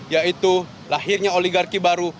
yaitu lahirnya oligarki baru